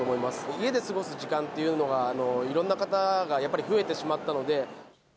家で過ごす時間というのが、いろんな方がやっぱり増えてしまったので。